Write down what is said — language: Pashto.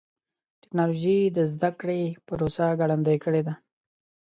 ټکنالوجي د زدهکړې پروسه ګړندۍ کړې ده.